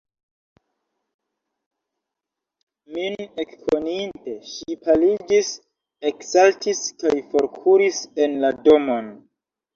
Min ekkoninte, ŝi paliĝis, eksaltis kaj forkuris en la domon.